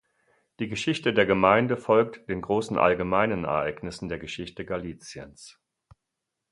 Die Geschichte der Gemeinde folgt den großen allgemeinen Ereignissen der Geschichte Galiciens.